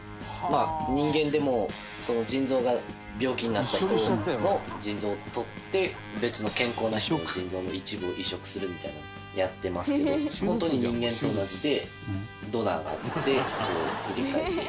人間でも腎臓が病気になった人の腎臓を取って別の健康な人の腎臓の一部を移植するみたいのをやってますけど本当に人間と同じでドナーがあって、入れ替えて。